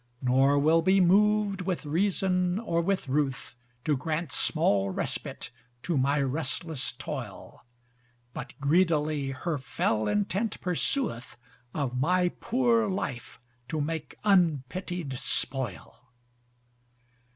Nor will be moved with reason or with ruth, To grant small respite to my restless toil: But greedily her fell intent persueth, Of my poor life to make unpityed spoil.